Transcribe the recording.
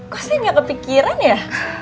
kok saya tidak kepikiran ya